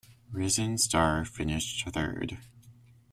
Risen Star finished third.